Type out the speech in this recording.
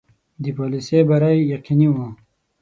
د پالیسي بری یقیني وو.